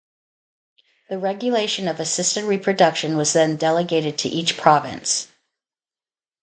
The regulation of assisted reproduction was then delegated to each province.